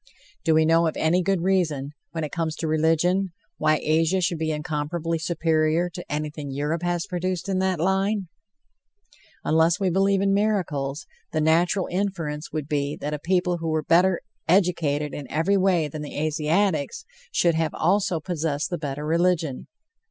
Do we know of any good reason, when it comes to religion, why Asia should be incomparably superior to anything Europe has produced in that line? Unless we believe in miracles, the natural inference would be that a people who were better educated in every way than the Asiatics should have also possessed the better religion.